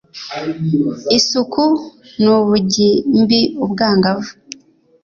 isuku n ubugimbiubwangavu